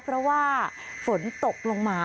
เพราะว่าฝนตกลงมา